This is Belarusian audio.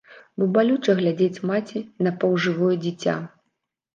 Бо балюча глядзець маці на паўжывое дзіця.